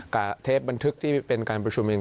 เทปบันทึกที่เป็นการประชุมเอง